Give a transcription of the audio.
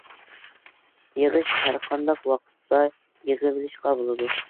يىغىش ھەر قانداق ۋاقىتتا يىغىۋېلىشقا بولىدۇ.